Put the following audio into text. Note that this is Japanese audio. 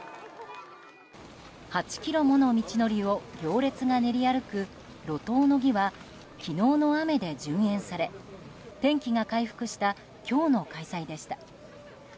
８ｋｍもの道のりを行列が練り歩く路頭の儀は昨日の雨で順延され天気が回復した今日の開催でした。